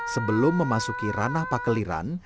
sebelum memasuki ranah pakliran